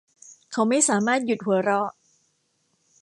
เขาไม่สามารถหยุดหัวเราะ